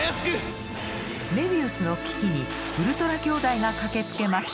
メビウスの危機にウルトラ兄弟が駆けつけます。